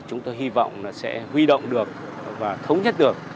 chúng tôi hy vọng là sẽ huy động được và thống nhất được